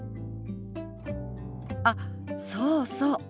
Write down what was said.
あっそうそう。